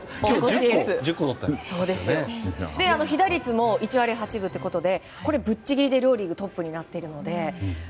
被打率も１割８分ということでぶっちぎりで両リーグトップなので。